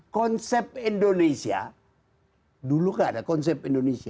konsep indonesia dulu kan ada konsep indonesia